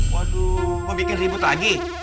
waduh mau bikin ribut lagi